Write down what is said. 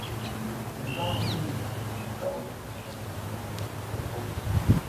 Ingawa si bilionea katika orodha tajika ya Forbes